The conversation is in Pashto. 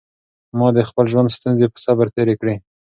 ما د خپل ژوند ستونزې په صبر تېرې کړې.